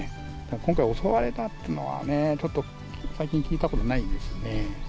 今回、襲われたってのはね、ちょっと最近聞いたことないですね。